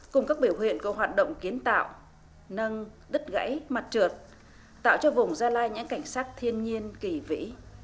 cùng các biểu hiện có hoạt động kiến tạo nâng đứt gãy mặt trượt tạo cho vùng gia lai những cảnh sắc thiên nhiên kỳ vĩ